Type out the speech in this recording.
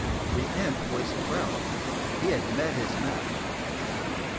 The imp was quelled he had met his match!